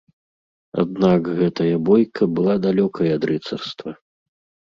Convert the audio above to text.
Аднак гэтая бойка была далёкай ад рыцарства.